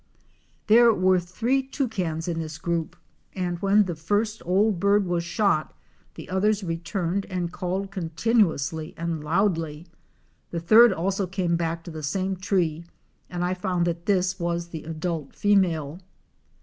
There were three Toucans in this group and when the first old bird was shot the others returned and called continuously and loudly. The third also came back to the same tree and I found that this was the adult female.